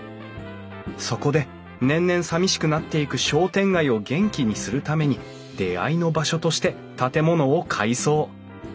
そこで年々さみしくなっていく商店街を元気にするために出会いの場所として建物を改装。